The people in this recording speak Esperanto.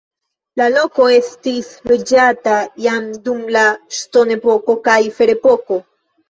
La loko estis loĝata jam dum la ŝtonepoko kaj ferepoko.